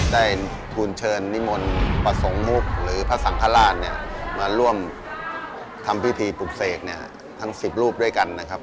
ได้ทุนเชิญนิมนต์ประสงค์มุพธ์หรือพระสังฆราชมาร่วมทำพิธีปรุกเศกทั้ง๑๐รูปด้วยกันนะครับ